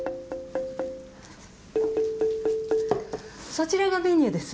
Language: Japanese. そちらがメニューです。